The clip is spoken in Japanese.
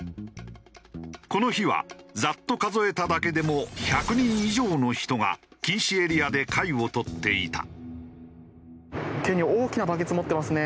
この日はざっと数えただけでも１００人以上の人が禁止エリアで貝を採っていた。